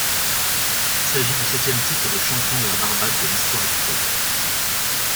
Il s’agit du septième titre de champion de la Barbade de l'histoire du club.